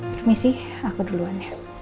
permisi aku duluan ya